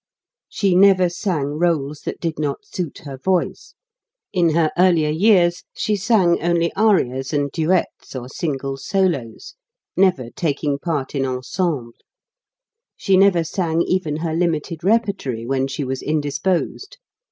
She never sang r61es that did not suit her voice ; in her earlier years she sang only arias and duets or single solos, never taking part in ensembles. She never sang even her limited repertory when she was indisposed.